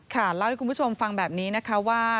เล่าให้คุณผู้ชมฟังแบบนี้นะคะว่า